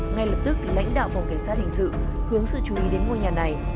ngay lập tức lãnh đạo phòng cảnh sát hình sự hướng sự chú ý đến ngôi nhà này